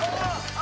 あ！